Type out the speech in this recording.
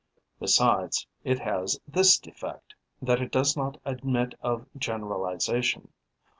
Besides, it has this defect, that it does not admit of generalization.